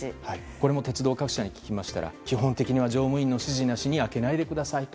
これも鉄道各社に聞きましたら基本的に乗務員の指示なく開けないでくださいと。